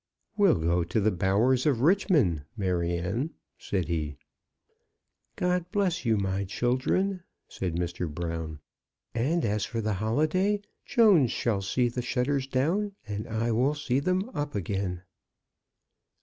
"We'll go to the bowers of Richmond, Maryanne," said he. "God bless you, my children," said Mr. Brown. "And as for the holiday, Jones shall see the shutters down, and I will see them up again."